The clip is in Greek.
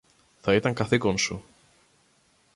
Θα ήταν καθήκον σου